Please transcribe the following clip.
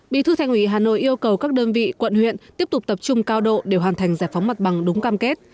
bí thư thành ủy hà nội yêu cầu các đơn vị quận huyện tiếp tục tập trung cao độ để hoàn thành giải phóng mặt bằng đúng cam kết